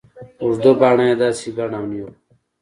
اوږده باڼه يې داسې گڼ او نېغ وو.